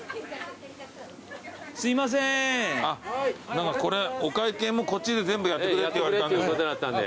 何かこれお会計もこっちで全部やってくれって言われたんで。